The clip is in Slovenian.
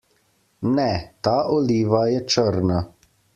Ne, ta oliva je črna.